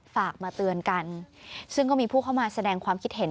ฝากมาเตือนกันซึ่งก็มีผู้เข้ามาแสดงความคิดเห็น